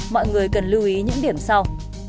mọi người cần lưu ý những điểm sau